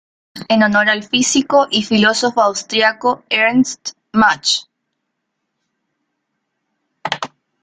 Fue nombrado Mach en honor al físico y filósofo austriaco Ernst Mach.